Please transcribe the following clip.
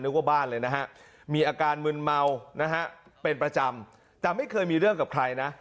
ว่าบ้านเลยนะฮะมีอาการมึนเมานะฮะเป็นประจำแต่ไม่เคยมีเรื่องกับใครนะ